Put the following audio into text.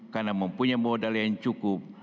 karena mempunyai modal yang cukup